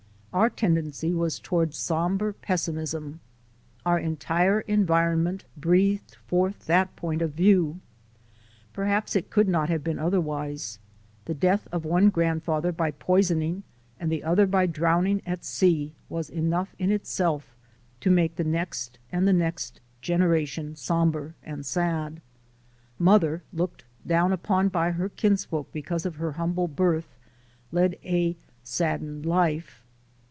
Our tendency was toward somber pessi mism. Our entire environment breathed forth that point of view. Perhaps it could not have been otherwise. The death of one grandfather by poisoning and the other by drowning at sea was enough in itself to make the next and the next gen eration somber and sad. Mother, looked down upon by her kinsfolk because of her humble birth, led a saddened life.